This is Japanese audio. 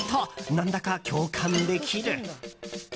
何だか共感できる！